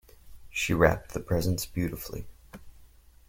She wrapped the presents beautifully.